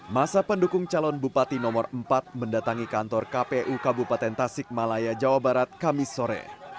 masa pendukung calon bupati nomor empat mendatangi kantor kpu kabupaten tasik malaya jawa barat kamis sore